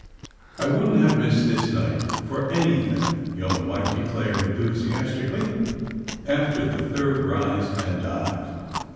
^^I wouldn't have missed this night for any thing,'' young "White declared enthusiastically, after the third rise and dive.